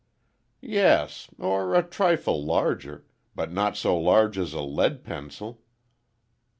"Yes, or a trifle larger—but not so large as a lead pencil."